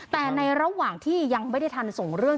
แต่ในระหว่างที่ยังไม่ได้ทันส่งเรื่อง